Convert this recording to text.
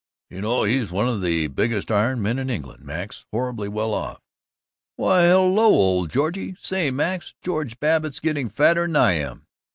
"You know, he's one of the biggest iron men in England, Max. Horribly well off.... Why, hello, old Georgie! Say, Max, George Babbitt is getting fatter than I am!"